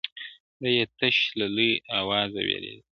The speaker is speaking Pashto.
دی یې تش له لوی اوازه وېرېدلی -